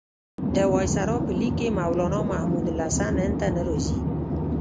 د وایسرا په لیک کې مولنا محمودالحسن هند ته نه راځي.